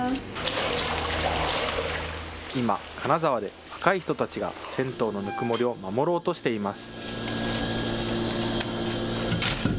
今、金沢で若い人たちが銭湯のぬくもりを守ろうとしています。